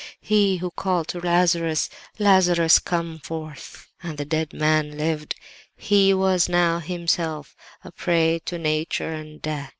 He who called to Lazarus, 'Lazarus, come forth!' and the dead man lived—He was now Himself a prey to nature and death.